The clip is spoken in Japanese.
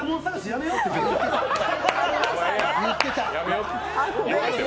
やめようって。